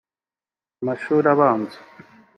amashuri abanza